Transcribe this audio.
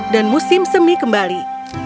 dan musim semi kembali